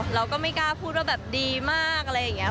เราก็ไม่กล้าพูดว่าแบบดีมากอะไรอย่างนี้